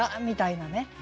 みたいなね